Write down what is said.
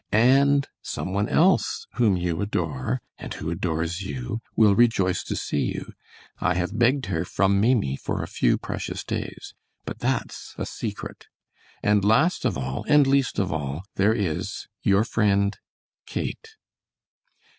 And some one else whom you adore, and who adores you, will rejoice to see you. I have begged her from Maimie for a few precious days. But that's a secret, and last of all and least of all, there is Your friend, KATE.